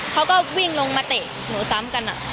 เขาก็วิ่งลงมาเตะหนูซ้ำกัน